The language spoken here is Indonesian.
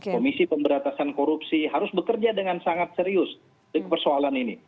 komisi pemberantasan korupsi harus bekerja dengan sangat serius di persoalan ini